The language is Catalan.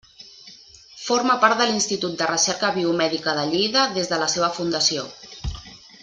Forma part de l'Institut de Recerca Biomèdica de Lleida des de la seva fundació.